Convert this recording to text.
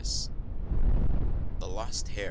THE LOST HEIR.